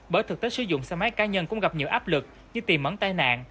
bởi thực tế sử dụng xe máy cá nhân cũng gặp nhiều áp lực như tìm ẩn tai nạn